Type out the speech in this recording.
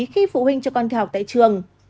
khi phụ huynh cho con theo học tại trường